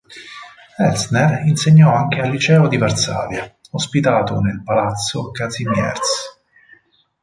Elsner insegnò anche al Liceo di Varsavia, ospitato nel Palazzo Kazimierz.